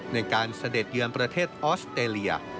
ในการเสด็จยืนประเทศออสเตลีย